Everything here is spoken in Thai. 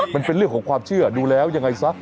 มันเป็นเรื่องของความเชื่อดูแล้วยังไงซะ